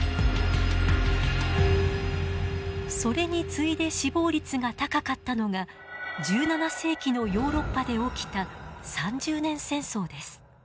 それに次いで死亡率が高かったのが１７世紀のヨーロッパで起きた三十年戦争です。